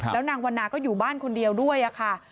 แล้วนางวันนาก็อยู่บ้านคนเดียวด้วยค่ะ